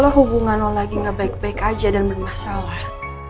kalau hubungan lo lagi gak baik baik aja dan bermasalah